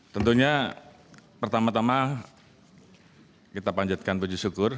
tentunya pertama tama kita panjatkan puji syukur